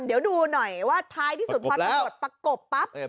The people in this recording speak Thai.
เดี๋ยวดูหน่อยว่าท้ายที่สุดพอตำรวจประกบปั๊บ